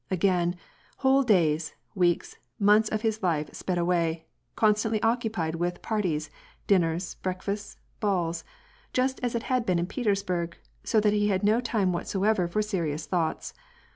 Again, whole days, weeks, months of his life si>ed away, constantly occupied with parties*, dinners, breakfasts, balls, just as it had been in Petersburg, so that he had no time whatever for serious thoughts.